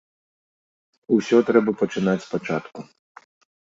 Усё трэба пачынаць спачатку.